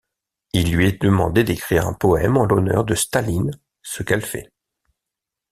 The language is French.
Il lui est demandé d'écrire un poème en l'honneur de Staline, ce qu'elle fait.